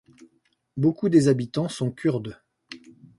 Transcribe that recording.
Beaucoup des habitants sont kurdes.